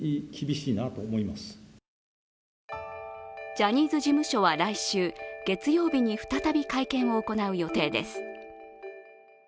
ジャニーズ事務所は来週月曜日に再び会見を行う予定です。